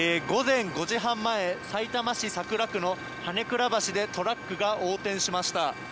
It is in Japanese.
午前５時半前さいたま市桜区の羽根倉橋でトラックが横転しました。